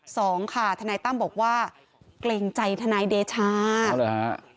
สองค่ะทนัยตั้มบอกว่าเกรงใจทนัยเดชาเขาหรือฮะ